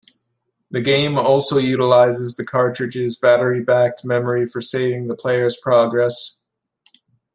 The game also utilizes the cartridge's battery-backed memory for saving the player's progress.